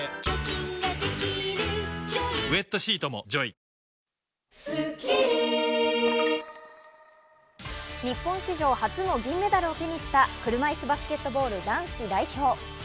５大会連続での日本史上初の銀メダルを手にした、車いすバスケットボール男子代表。